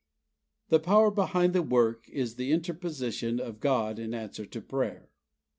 _ THE Power behind the work is the interposition of God in answer to prayer.